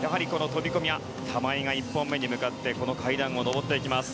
玉井が１本目に向かってこの階段を上っていきます。